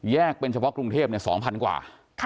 เป็นเฉพาะกรุงเทพ๒๐๐กว่า